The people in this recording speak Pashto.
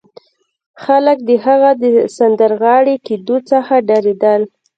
خلک د هغه د سندرغاړي کېدو څخه ډارېدل